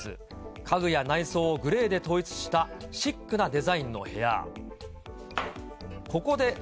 家具や内装をグレーで統一したシックなデザインの部屋。